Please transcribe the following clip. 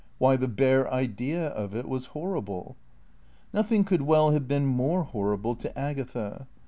Why, the bare idea of it was horrible. Nothing could well have been more horrible to Agatha.